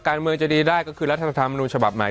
การเมืองจะดีได้ก็คือรัฐธรรมนูญฉบับใหม่